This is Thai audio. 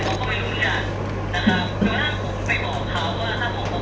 ขอโทษทีนะครับเพราะว่าเป็นข้าราชการเหมือนกัน